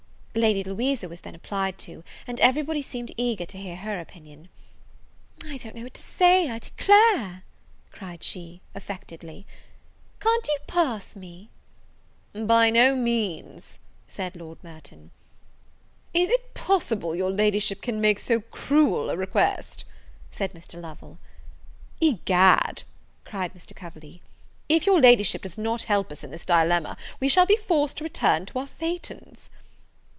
Lady Louisa was then applied to; and every body seemed eager to hear her opinion. "I don't know what to say, I declare," cried she, affectedly; "can't you pass me?" "By no means," said Lord Merton. "Is it possible your Ladyship can make so cruel a request?" said Mr. Lovel. "Egad," cried Mr. Coverley, "if your Ladyship does not help us in this dilemma, we shall be forced to return to our phaetons."